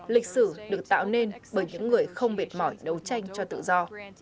lịch sử được tạo nên bởi những người không mệt mỏi đấu tranh cho tự do